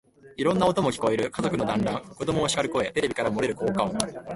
いろんな音も聞こえる。家族の団欒、子供をしかる声、テレビから漏れる効果音、